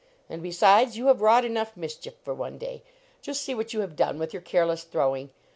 And, be sides, you have wrought enough mischief for one day. Just see what you have done with your careless throwing.